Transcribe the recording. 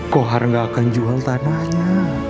kohar gak akan jual tanahnya